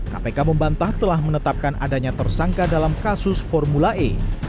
kpk membantah telah menetapkan adanya tersangka dalam kasus formula e